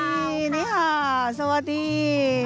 สวัสดีนีฮาวสวัสดี